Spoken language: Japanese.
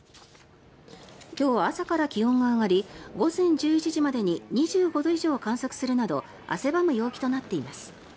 今日は朝から気温が上がり午前１１時までに２５度以上を観測するなど汗ばむ陽気となっています。